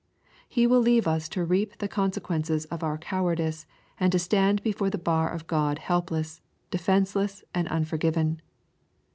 He will leave us to reap the consequences of our cowardice, and to stand before the bar of God helpless, defenceless, and unforgiven.